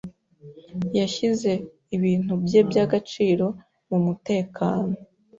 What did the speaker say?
yashyize ibintu bye by'agaciro mu mutekano.